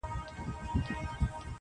o که سړی ورخ د اوښکو وتړي هم,